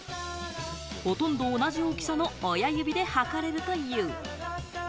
ほとんど同じ大きさの親指で測れるという。